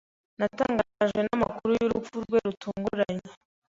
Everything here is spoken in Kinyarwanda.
Natangajwe n'amakuru y'urupfu rwe rutunguranye.